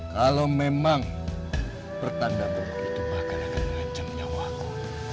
kalau memang pertanda buruk itu bahkan akan mengancam nyawaku